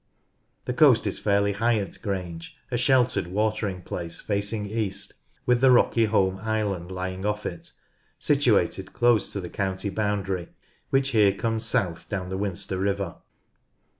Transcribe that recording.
The coast is fairly high at Grange, a sheltered watering place facing east, with the rocky Holme Island lying oft it, situated close to the county boundary, which here comes south down the Winster river.